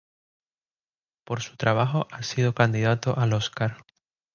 Por su trabajo ha sido candidato al Oscar.